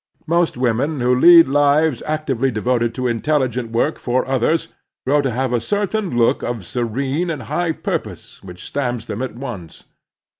Most women who lead lives actively devoted to intelligent work for others grow to have a certain look of serene and high ptupose which stamps them at once.